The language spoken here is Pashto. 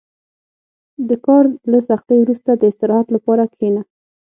• د کار له سختۍ وروسته، د استراحت لپاره کښېنه.